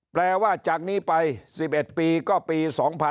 แปลว่าจากนี้ไป๑๑ปีก็ปี๒๕๖๒